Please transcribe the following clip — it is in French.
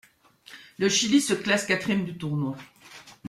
Le Chili se classe quatrième du tournoi.